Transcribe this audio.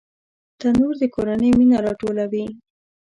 تنور د کورنۍ مینه راټولوي